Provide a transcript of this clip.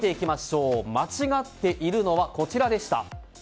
間違っているのはこちらでした。